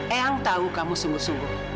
eyang tahu kamu sungguh sungguh